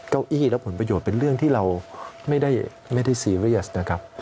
เก้าอี้และผลประโยชน์เป็นเรื่องที่เราไม่ได้ซีเรียสนะครับ